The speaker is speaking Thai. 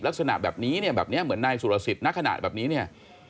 ลักษณะแบบนี้แบบนี้เหมือนนายสุรสิทธิ์ณขนาดแบบนี้